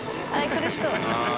苦しそう。